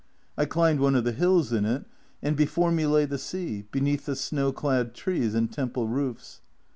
I climbed one of the hills in it, and before me lay the sea, beneath the snow clad trees and temple roofs.